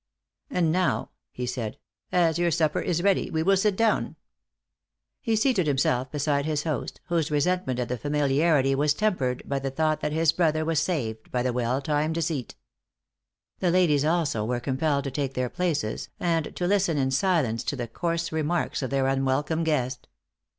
"And now," he said, "as your supper is ready, we will sit down." He seated himself beside his host, whose resentment at the familiarity was tempered by the thought that his brother was saved by the well timed deceit. The ladies also were compelled to take their places, and to listen in silence to the coarse remarks of their unwelcome guest.